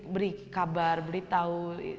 beri kabar beritahu